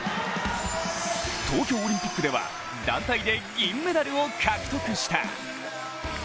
東京オリンピックでは団体で銀メダルを獲得した。